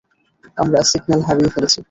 আমরা সিগন্যাল হারিয়ে ফেলেছি।